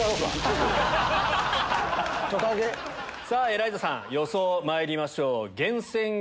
エライザさん予想まいりましょう。